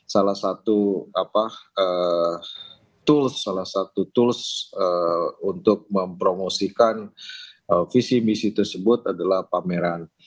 salah satu tools salah satu tools untuk mempromosikan visi misi tersebut adalah pameran